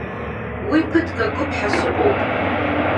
Уи ԥыҭк акып ҳәа сыҟоуп.